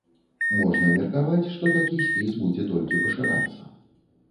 Можна меркаваць, што такі спіс будзе толькі пашырацца.